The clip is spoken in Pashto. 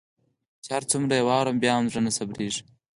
چي هر څومره يي واورم بيا هم زړه نه صبریږي